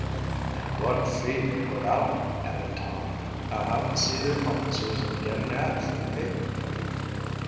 "And what a feed they put out," added Tom. "I'll have to see their officers and get an ad for the paper."